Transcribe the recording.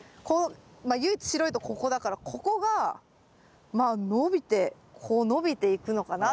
唯一白いとこここだからここがまあ伸びてこう伸びていくのかなって。